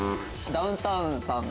ダウンタウンさん。